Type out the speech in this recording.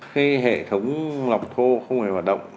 khi hệ thống lọc thô không hề hoạt động